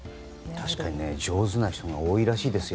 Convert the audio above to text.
確かに上手な人が多いらしいです